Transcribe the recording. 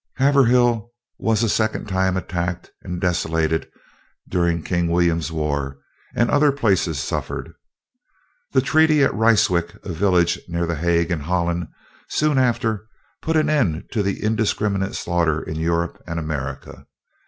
"[E] [Footnote E: Lossing's "Our Country," vol. iii., p. 418.] Haverhill was a second time attacked and desolated during King William's war, and other places suffered. The treaty at Ryswick, a village near the Hague, in Holland, soon after, put an end to the indiscriminate slaughter in Europe and America.